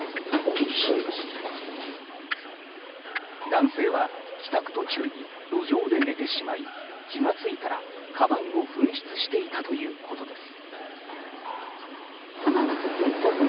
男性は帰宅途中に路上で寝てしまい気が付いたら、かばんを紛失していたということです。